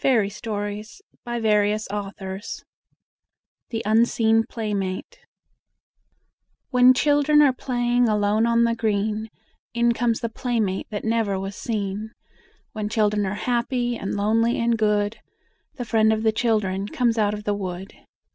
ROBERT LOUIS STEVENSON THE UNSEEN PLAYMATE When children are playing alone on the green, In comes the playmate that never was seen. When children are happy and lonely and good, The Friend of the Children comes out of the wood.